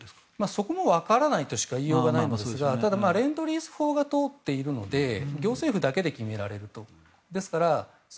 そこも分からないとしか言いようがないんですがただ、レンドリース法が通っているので行政府だけで決められると。